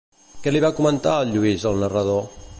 Què li va comentar el Lluís al narrador?